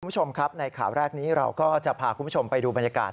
คุณผู้ชมครับในข่าวแรกนี้เราก็จะพาคุณผู้ชมไปดูบรรยากาศ